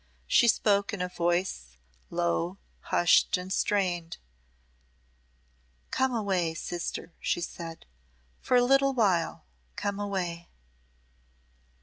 She spoke in a voice low, hushed, and strained. "Come away, sister," she said, "for a little while come away."